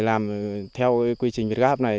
làm theo quy trình việt gáp này